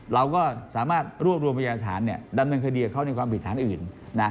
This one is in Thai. เราก็สามารถรวบรวมพยาฐานดำเนินคดีกับเขาในความผิดฐานอื่น